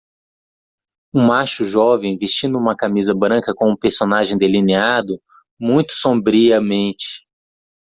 Um macho jovem vestindo uma camisa branca com um personagem delineado muito sombriamente.